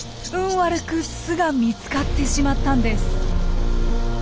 悪く巣が見つかってしまったんです。